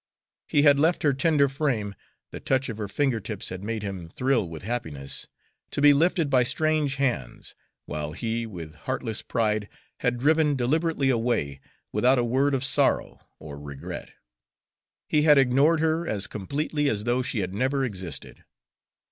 He had left her tender frame the touch of her finger tips had made him thrill with happiness to be lifted by strange hands, while he with heartless pride had driven deliberately away, without a word of sorrow or regret. He had ignored her as completely as though she had never existed.